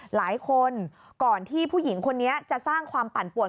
หลายคนก่อนที่ผู้หญิงคนนี้จะสร้างความปั่นป่วน